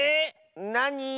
なに？